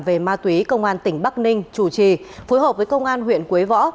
về ma túy công an tỉnh bắc ninh chủ trì phối hợp với công an huyện quế võ